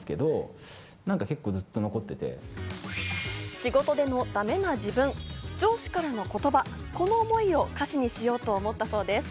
仕事でのダメな自分、上司からの言葉、この思いを歌詞にしようと思ったそうです。